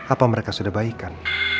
apa mereka sudah baikan